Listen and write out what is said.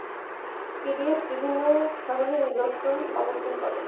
PDF বিভিন্ন ধরণের নিদর্শন সমর্থন করে।